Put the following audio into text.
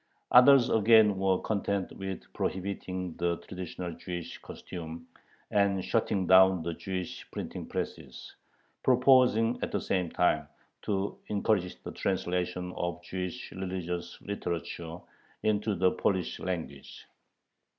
Others again were content with prohibiting the traditional Jewish costume and shutting down the Jewish printing presses, proposing at the same time "to encourage the translation of Jewish religious literature into the Polish language."